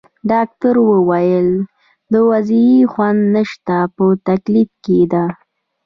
ډاکټر وویل: د وضعې خوند نشته، په تکلیف کې ده.